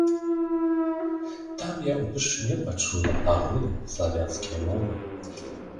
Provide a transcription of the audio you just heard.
Там я ўпершыню пачула агулам славянскія мовы.